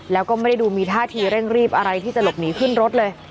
แล้วก็ไม่ได้ดูมีท่าทีเร่งรีบอะไรที่จะหลบหนีขึ้นรถเลย